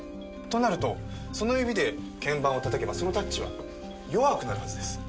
となるとその指で鍵盤をたたけばそのタッチは弱くなるはずです。